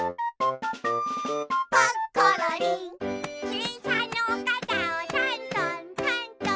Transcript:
「きりんさんのおかたをたんとんたんとん」